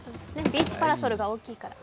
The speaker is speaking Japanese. ビーチパラソルが大きいから。